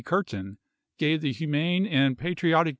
Curtin gave the humane and patriotic isea.